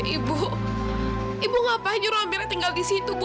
ibu ibu ngapa hanyur amira tinggal di situ bu